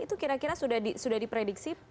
itu kira kira sudah diprediksi